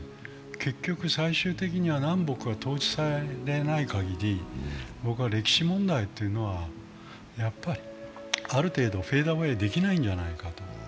結局、最終的には南北が統一されないかぎり歴史問題というのはある程度フェードアウェーできないんじゃないか。